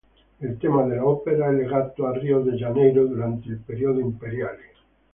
Il tema dell'opera è legato a Rio de Janeiro durante il Periodo Imperiale.